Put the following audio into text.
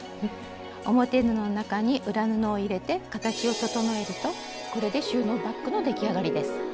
表布の中に裏布を入れて形を整えるとこれで収納バッグの出来上がりです。